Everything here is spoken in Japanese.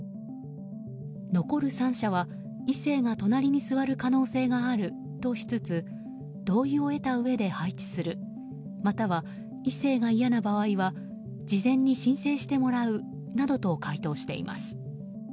残る３社は、異性が隣に座る可能性があるとしつつ同意を得たうえで配置するまたは、異性が嫌な場合は事前に申請してもらうなどと回答しています。